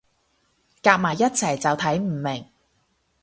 夾埋一齊就睇唔明